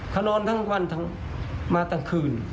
เขานอนทั้งวันทั้งมาทั้งคืน